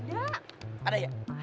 iya surat nikahnya juga ada